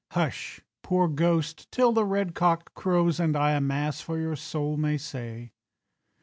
"Hush, poor ghost, till the red cock crows, And I a Mass for your soul may say."